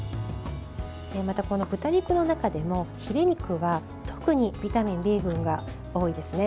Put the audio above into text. また、豚肉の中でもヒレ肉は特にビタミンＢ群が多いんですね。